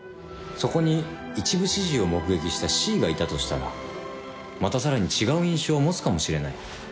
そこに一部始終を目撃したＣがいたとしたらまたさらに違う印象を持つかもしれない。